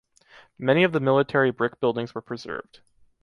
Many of the military brick buildings were preserved.